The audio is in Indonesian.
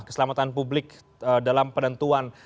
keselamatan publik dalam penentuan